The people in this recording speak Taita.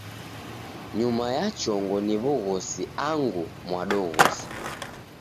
Nyuma ya chongo ni w'ugosi angu mwadoghosa.